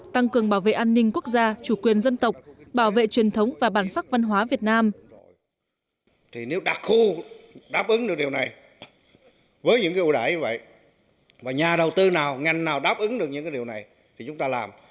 tăng cường bảo vệ an ninh quốc gia chủ quyền dân tộc bảo vệ truyền thống và bản sắc văn hóa việt nam